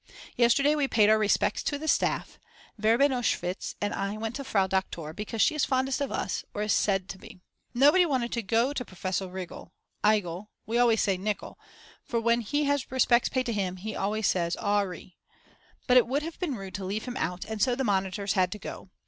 Yesterday we paid our respects to the staff, Verbenowitsch and I went to Frau Doktor because she is fondest of us, or is said to be. Nobody wanted to go to Professor Rigl, Igel, we always say Nikel, for when he has respects paid to him he always says: "Aw ri'." But it would have been rude to leave him out and so the monitors had to go.